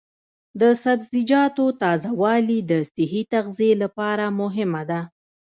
د سبزیجاتو تازه والي د صحي تغذیې لپاره مهمه ده.